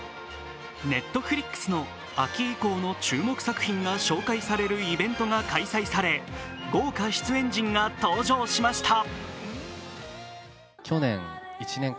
Ｎｅｔｆｌｉｘの秋以降の注目作品が紹介されるイベントが開催され豪華出演陣が登場しました。